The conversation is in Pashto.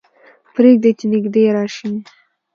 پرېږده چې نږدې راشي.